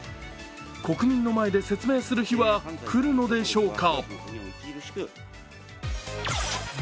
国民の前で説明する日は来るのでしょうか。